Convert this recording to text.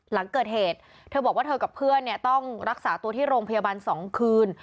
หลังเกิดเหตุเธอบอกว่าเธอกับเพื่อนต้องรักษาตัวที่โรงพยาบาล๒คืน